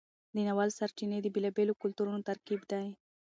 د ناول سرچینې د بیلابیلو کلتورونو ترکیب دی.